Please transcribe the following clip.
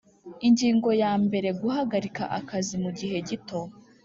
Ingingo ya mbere Guhagarika akazi mu gihe gito